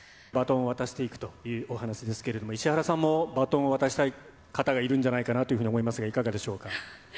バトンを渡していくというお話ですけれども、石原さんもバトンを渡したい方がいるんじゃないかなと思いますが、いかがでしょうか。